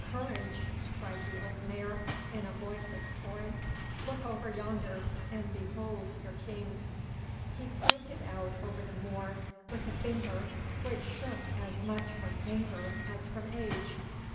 'Courage!' cried the old Mayor, in a voice of scorn. 'Look over yonder and behold your King.' He pointed out over the moor with a finger which shook as much from anger as from age.